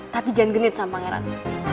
tapi jangan genit sama pangeran